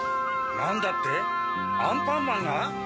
なんだってアンパンマンが？